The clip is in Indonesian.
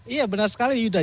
iya benar sekali yuda